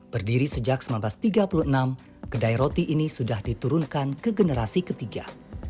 berdiri sejak seribu sembilan ratus tiga puluh enam kedai roti ini sudah diturunkan ke generasi ketiga